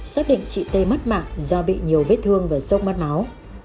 xác định chị tê mất mạng do bị nhiều vết thương và sốc mất máu